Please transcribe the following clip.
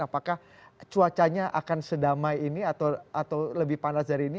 apakah cuacanya akan sedamai ini atau lebih panas dari ini